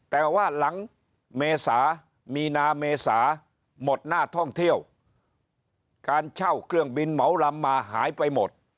แต่ว่าหลังเมษามีนาเมษาหมดหน้าท่องเที่ยวการเช่าเครื่องบินเหมาลำมาหายไปหมด